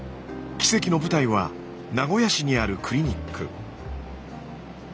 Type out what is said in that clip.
奇跡の舞台は名古屋市にあるクリニック。